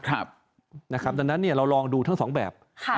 ดังนั้นเราลองดูทั้งสองแบบ